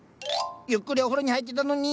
ゆっくりお風呂に入ってたのに！